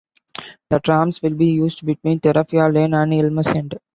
The trams will be used between Therapia Lane and Elmers End.